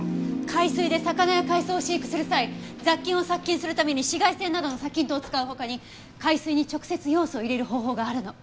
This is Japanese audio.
海水で魚や海藻を飼育する際雑菌を殺菌するために紫外線などの殺菌灯を使う他に海水に直接ヨウ素を入れる方法があるの。